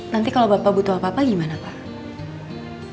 nanti kalau bapak butuh apa apa gimana pak